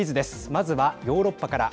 まずはヨーロッパから。